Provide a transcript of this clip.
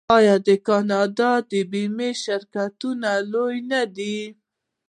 آیا د کاناډا بیمې شرکتونه لوی نه دي؟